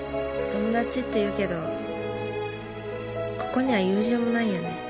友達っていうけどここには友情もないよね。